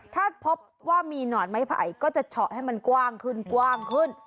ถ้าพบว่ามีหนอนไม้ไผ่ก็จะเฉาะให้มันกว้างขึ้นกว้างขึ้น